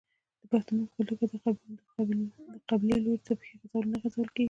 د پښتنو په کلتور کې د قبلې لوري ته پښې نه غځول کیږي.